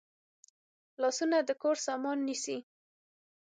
لاسونه د کور سامان نیسي